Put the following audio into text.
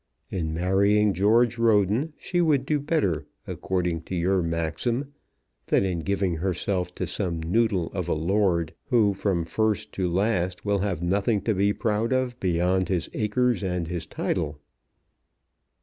In marrying George Roden she would do better, according to your maxim, than in giving herself to some noodle of a lord who from first to last will have nothing to be proud of beyond his acres and his title."